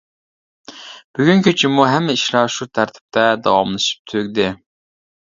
بۈگۈن كېچىمۇ ھەممە ئىشلار شۇ تەرتىپتە داۋاملىشىپ، تۈگىدى.